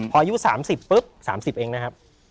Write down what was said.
พออายุ๓๐ปุ๊บ๓๐เองนะครับ